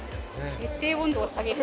設定温度を下げる。